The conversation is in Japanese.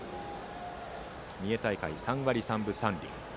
三重大会、３割３分３厘。